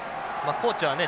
コーチはね